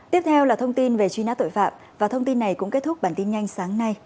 tiếp theo là thông tin về truy nã tội phạm và thông tin này cũng kết thúc bản tin nhanh sáng nay